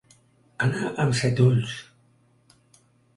Anar amb set ulls.